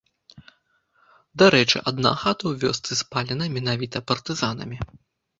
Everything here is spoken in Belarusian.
Дарэчы адна хата ў вёсцы спалена менавіта партызанамі.